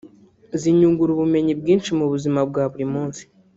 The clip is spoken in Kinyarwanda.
zinyungura ubumenyi bwinshi mu buzima bwa buri munsi